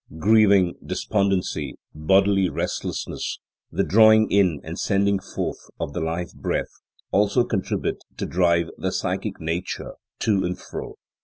Grieving, despondency, bodily restlessness, the drawing in and sending forth of the life breath also contribute to drive the psychic nature to and fro.